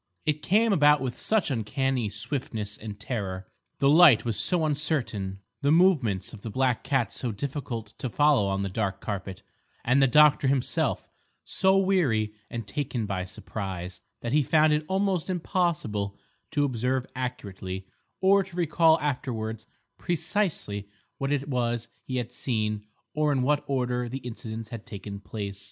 It came about with such uncanny swiftness and terror; the light was so uncertain; the movements of the black cat so difficult to follow on the dark carpet, and the doctor himself so weary and taken by surprise—that he found it almost impossible to observe accurately, or to recall afterwards precisely what it was he had seen or in what order the incidents had taken place.